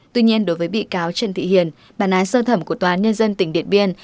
tuy nhiên đối với bị cáo trần thị hiền bản án sơ thẩm của tòa án nhân dân tỉnh điện biên